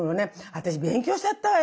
私勉強しちゃったわよ